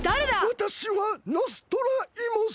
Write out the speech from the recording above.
わたしはノストライモス。